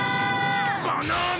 バナナ！